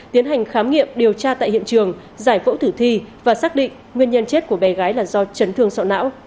tiến hành khám nghiệm điều tra tại hiện trường giải phẫu tử thi và xác định nguyên nhân chết của bé gái là do chấn thương sọ não